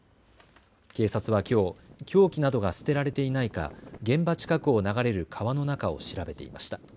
警察はきょう凶器などが捨てられていないか現場近くを流れる川の中を調べていました。